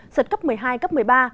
giật cấp một mươi hai cấp một mươi ba